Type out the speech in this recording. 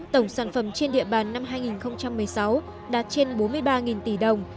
tổng sản phẩm trên địa bàn năm hai nghìn một mươi sáu đạt trên bốn mươi ba tỷ đồng